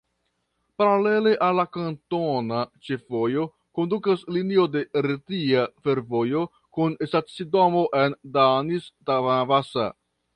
Paralele al la kantona ĉefvojo kondukas linio de Retia Fervojo kun stacidomo en Danis-Tavanasa.